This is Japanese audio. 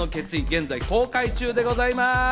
現在、公開中でございます。